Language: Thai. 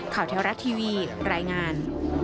ข่าวเที่ยวรักท์ทีวีรายงาน